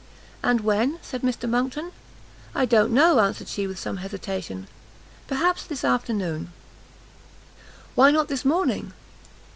"And when?" said Mr Monckton. "I don't know," answered she, with some hesitation, "perhaps this afternoon." "Why not this morning?"